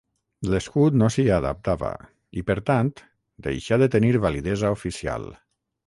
L'escut no s'hi adaptava i, per tant, deixà de tenir validesa oficial.